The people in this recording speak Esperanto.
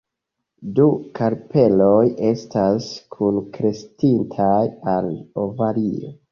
Du karpeloj estas kunkreskintaj al ovario.